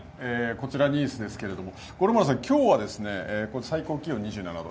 こちらニースですけれども、五郎丸さん、きょうは最高気温２７度。